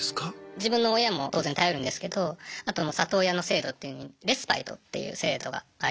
自分の親も当然頼るんですけどあと里親の制度っていうのにレスパイトっていう制度がありまして。